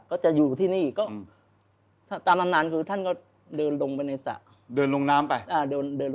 ใครอย่างนี้ได้